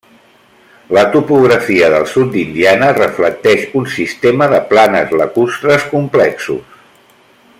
La topografia del sud d'Indiana reflecteix un sistema de planes lacustres complexos.